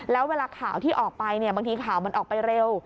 แล้วเวลาข่าวที่ออกไปบางทีข่าวมันออกไปเร็ว